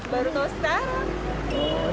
baru tahu sekarang